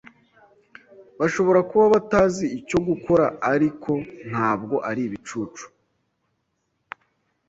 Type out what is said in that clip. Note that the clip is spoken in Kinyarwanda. Bashobora kuba batazi icyo gukora, ariko ntabwo ari ibicucu.